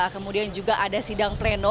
kemudian juga ada sidang pleno